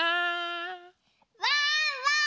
・ワンワーン！